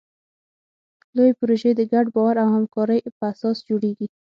لویې پروژې د ګډ باور او همکارۍ په اساس جوړېږي.